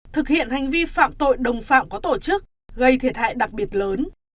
thực hiện hành vi phạm tội đồng phạm có tổ chức gây thiệt hại đặc biệt lớn